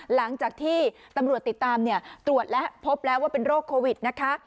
หลังจากที่ตำรวจติดตามตรวจและพบแล้วว่าเป็นโรคโควิดนะคะ